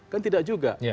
kan tidak juga